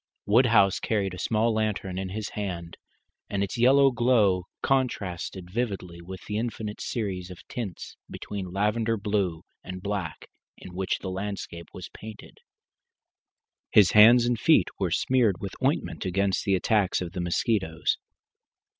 Woodhouse carried a small lantern in his hand, and its yellow glow contrasted vividly with the infinite series of tints between lavender blue and black in which the landscape was painted. His hands and face were smeared with ointment against the attacks of the mosquitoes.